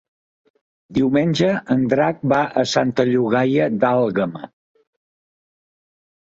Diumenge en Drac va a Santa Llogaia d'Àlguema.